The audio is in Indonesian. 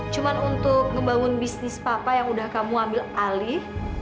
cuma untuk ngebangun bisnis papa yang udah kamu ambil alih